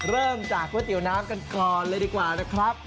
เริ่มจากก๋วยเตี๋ยวน้ำกันก่อนเลยดีกว่านะครับ